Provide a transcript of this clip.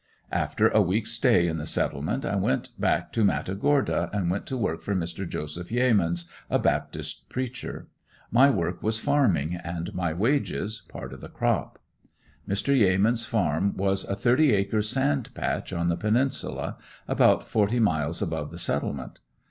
After a week's stay in the Settlement, I went back to Matagorda and went to work for Mr. Joseph Yeamans, a Baptist preacher. My work was farming and my wages part of the crop. Mr. Yeamans' farm was a thirty acre sand patch on the Peninsula, about forty miles above the Settlement.